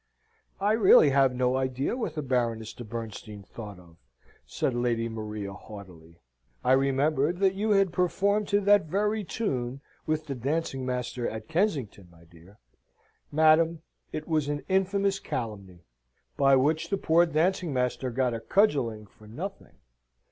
"I really have no idea what the Baroness de Bernstein thought of," said Lady Maria, haughtily. "I remembered that you had performed to that very tune with the dancing master at Kensington, my dear!" "Madam, it was an infamous calumny." "By which the poor dancing master got a cudgelling for nothing!"